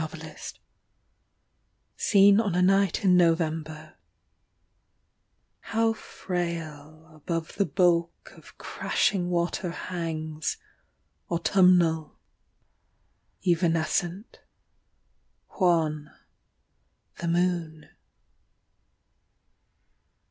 NIAGARA Seen on a Night in November How frail Above the bulk Of crashing water hangs, Autumnal, evanescent, wan, The moon.